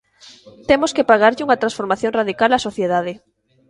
Temos que pegarlle unha transformación radical á sociedade.